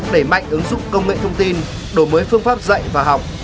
đẩy mạnh ứng dụng công nghệ thông tin đổi mới phương pháp dạy và học